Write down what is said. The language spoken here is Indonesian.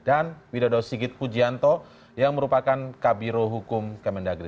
dan widodo sigit pujianto yang merupakan kabiro hukum kemendagri